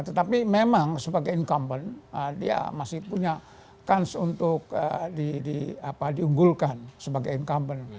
tetapi memang sebagai incumbent dia masih punya kans untuk diunggulkan sebagai incumbent